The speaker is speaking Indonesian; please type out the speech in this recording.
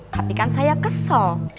tapi kan saya kesel